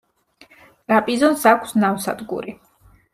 ტრაპიზონს აქვს ნავსადგური.